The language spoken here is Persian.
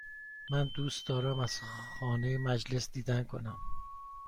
من دوست دارم از خانه مجلس دیدن کنم.